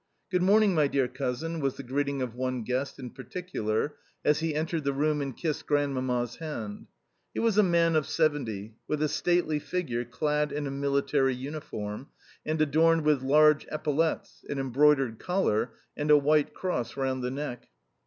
"Good morning, my dear cousin," was the greeting of one guest in particular as he entered the room and kissed Grandmamma's hand. He was a man of seventy, with a stately figure clad in a military uniform and adorned with large epaulettes, an embroidered collar, and a white cross round the neck.